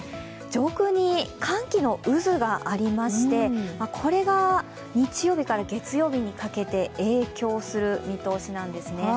上空に寒気の渦がありまして、これが日曜日から月曜日にかけて影響する見通しなんですね。